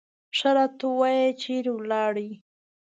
ښه راته ووایه چې چېرې ولاړې.